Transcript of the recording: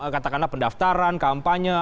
katakanlah pendaftaran kampanye